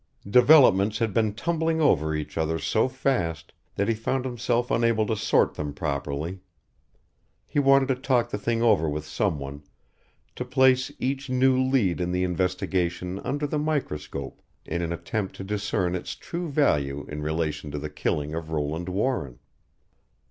Developments had been tumbling over each other so fast that he found himself unable to sort them properly. He wanted to talk the thing over with someone, to place each new lead in the investigation under the microscope in an attempt to discern its true value in relation to the killing of Roland Warren.